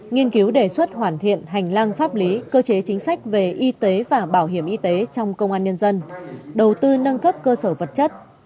nghiên cứu đề xuất hoàn thiện hành lang pháp lý cơ chế chính sách về y tế và bảo hiểm y tế trong công an nhân dân đầu tư nâng cấp cơ sở vật chất